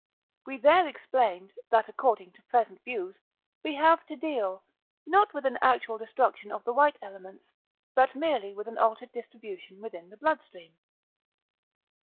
We there explained, that according to present views, we have to deal, not with an actual destruction of the white elements, but merely with an altered distribution within the blood stream.